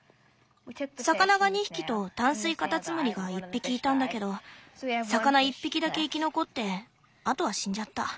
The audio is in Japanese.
魚が２匹と淡水カタツムリが１匹いたんだけど魚１匹だけ生き残ってあとは死んじゃった。